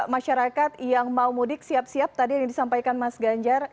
masyarakat yang mau mudik siap siap tadi yang disampaikan mas ganjar